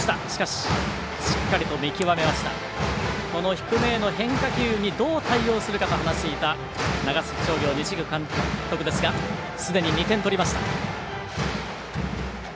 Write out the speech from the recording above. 低めへの変化球にどう対応するかと話していた長崎商業、西口監督ですがすでに２点を取りました。